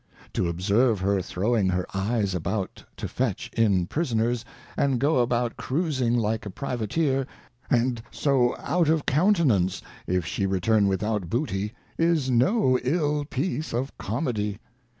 To observe her throwing her Eyes about to fetch in Prisoners, and go about Cruizing like a Privateer, aijd so out of Counten ance, if she return without jBoo^y, is no ill j)iece of Comedy.